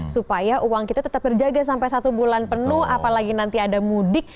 supaya uang kita tetap berjaga sampai satu bulan penuh apalagi nanti ada mudik